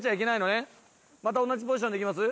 また同じポジションでいきます？